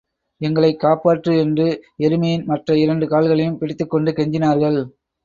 எங்களைக் காப்பாற்று என்று எருமையின் மற்ற இரண்டு கால்களையும் பிடித்துக்கொண்டு கெஞ்சினார்கள்.